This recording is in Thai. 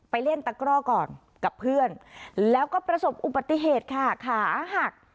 เล่นตะกร่อก่อนกับเพื่อนแล้วก็ประสบอุบัติเหตุค่ะขาหัก